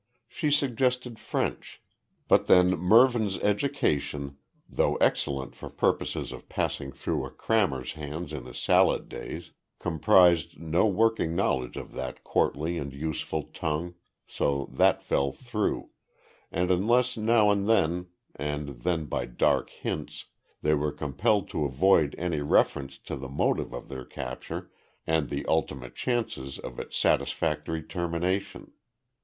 She suggested French, but then Mervyn's education, though excellent for purposes of passing through a crammer's hands in his salad days, comprised no working knowledge of that courtly and useful tongue, so that fell through, and unless now and again, and then by dark hints, they were compelled to avoid any reference to the motive of their capture, and the ultimate chances of its satisfactory termination.